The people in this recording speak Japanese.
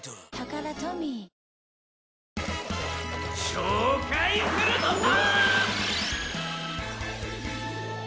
紹介するのさ！